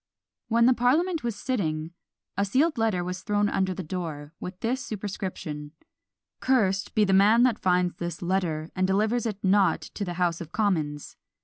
When the parliament was sitting, a sealed letter was thrown under the door, with this superscription, Cursed be the man that finds this letter, and delivers it not to the House of Commons.